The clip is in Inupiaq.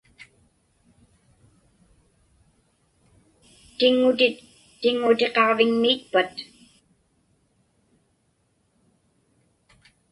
Tiŋŋutit tiŋŋutiqaġviŋmiitpat?